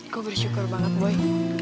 gue bersyukur banget boy